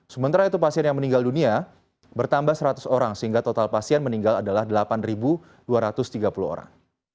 sementara itu pasien yang meninggal dunia bertambah seratus orang sehingga total pasien meninggal adalah delapan dua ratus tiga puluh orang